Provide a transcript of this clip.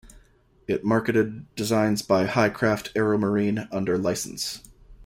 It marketed designs by HighCraft AeroMarine under licence.